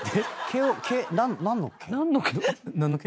毛何の毛？